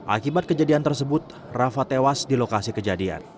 akibat kejadian tersebut rafa tewas di lokasi kejadian